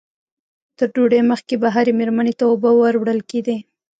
تر ډوډۍ مخکې به هرې مېرمنې ته اوبه ور وړل کېدې.